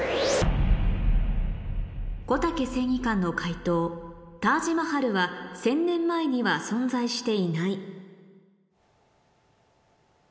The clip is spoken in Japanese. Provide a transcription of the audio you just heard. こたけ正義感の解答「タージ・マハルは１０００年前には存在していない」